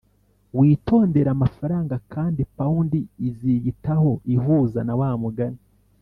witondere amafaranga kandi pound iziyitaho ihuza na wa mugani